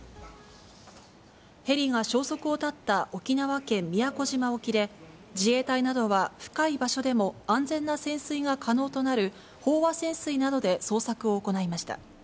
ヘリが消息を絶った沖縄県宮古島沖で、自衛隊などは深い場所でも安全な潜水が可能となる飽和潜水などで捜索を行いました。